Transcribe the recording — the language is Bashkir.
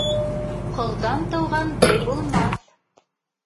Ҡолдан тыуған бей булмаҫ.